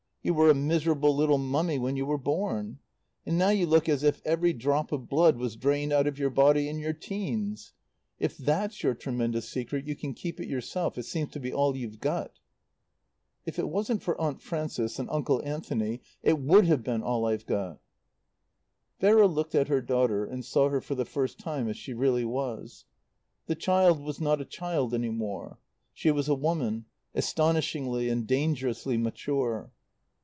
You were a miserable little mummy when you were born. And now you look as if every drop of blood was drained out of your body in your teens. If that's your tremendous secret you can keep it yourself. It seems to be all you've got." "If it wasn't for Aunt Frances and Uncle Anthony it would have been all I've got." Vera looked at her daughter and saw her for the first time as she really was. The child was not a child any more. She was a woman, astonishingly and dangerously mature.